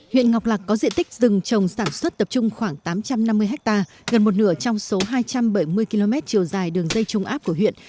huyện ngọc lạc có diện tích rừng trồng sản xuất tập trung khoảng tám trăm năm mươi ha gần một nửa trong số hai trăm bảy mươi km chiều dài đường dây trung áp của huyện